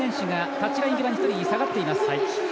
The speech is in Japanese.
タッチライン際に下がっています。